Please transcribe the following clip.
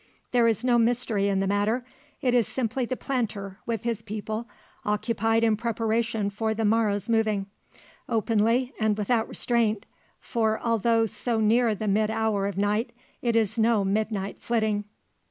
There is no mystery in the matter. It is simply the planter, with his people, occupied in preparation for the morrow's moving. Openly, and without restraint: for, although so near the mid hour of night, it is no midnight flitting.